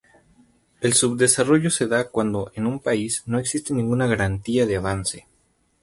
El subdesarrollo se da cuando, en un país, no existe ninguna garantía de avance.